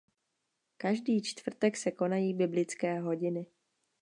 Každý čtvrtek se konají biblické hodiny.